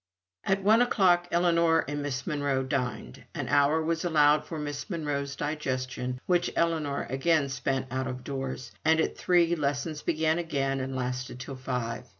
At one o'clock, Ellinor and Miss Monro dined. An hour was allowed for Miss Monro's digestion, which Ellinor again spent out of doors, and at three, lessons began again and lasted till five.